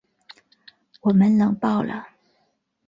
我们冷爆了